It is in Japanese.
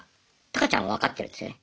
タカちゃんは分かってるんですよね